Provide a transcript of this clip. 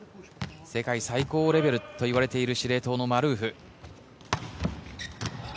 世界最高レベルといわれている司令塔のマルーフ。